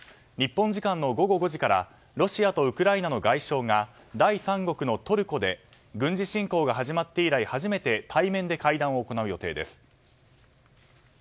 日本時間の午後５時からロシアとウクライナの外相が第三国トルコで軍事侵攻が始まって以来初めて対面で会談を行う予定です。